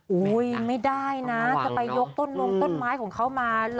ไม่ได้นะจะไปยกต้นมงต้นไม้ของเขามา